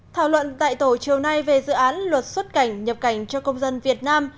thảo luận tại tổ chiều nay về dự án luật xuất cảnh nhập cảnh cho công dân việt nam